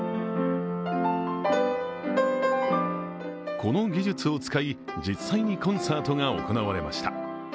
この技術を使い、実際にコンサートが行われました。